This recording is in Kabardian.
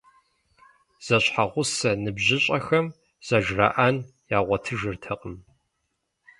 Зэщхьэгъусэ ныбжьыщӏэхэм зэжраӏэн ягъуэтыжыртэкъым.